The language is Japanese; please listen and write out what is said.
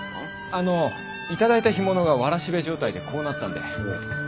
あの頂いた干物がわらしべ状態でこうなったんでお裾分けに。